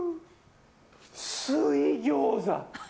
水餃子。